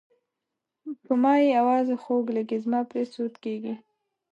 په ما یې اواز خوږ لګي زما پرې سود کیږي.